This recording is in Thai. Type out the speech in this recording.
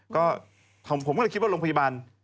ก็ผมก็เลยคิดว่าโรงพยาบาล